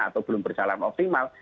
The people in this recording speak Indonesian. atau belum berjalan optimal